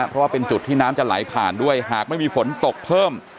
เพราะว่าเป็นจุดที่น้ำจะไหลผ่านด้วยหากไม่มีฝนตกเพิ่ม